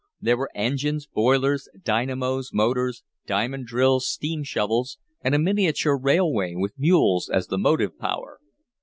There were engines, boilers, dynamos, motors, diamond drills, steam shovels and a miniature railway, with mules as the motive power.